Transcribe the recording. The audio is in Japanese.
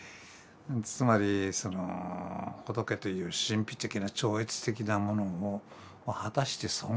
つまりその仏という神秘的な超越的なものを果たして存在するのか。